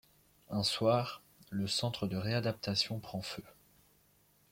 Un soir, le centre de réadaptation prend feu.